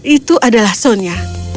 itu adalah sonia